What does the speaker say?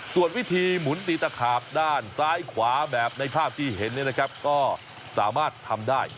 ส่วนวิธีหมุนตีตะขาบด้านซ้ายขวาแบบในภาพที่เห็นก็สามารถทำได้